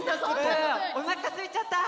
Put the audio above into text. おなかすいちゃった！